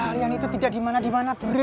kalian itu tidak dimana dimana beratnya ya